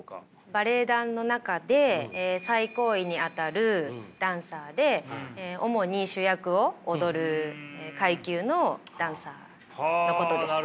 バレエ団の中で最高位にあたるダンサーで主に主役を踊る階級のダンサーのことです。